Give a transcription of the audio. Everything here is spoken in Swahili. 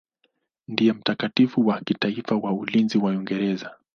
Ndiye mtakatifu wa kitaifa wa ulinzi wa Uingereza.